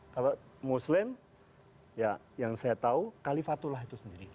kalau muslim ya yang saya tahu kalifatullah itu sendiri